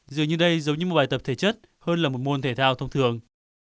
dường như đây giống như một bài tập thể chất hơn là một môn thể thao thông thường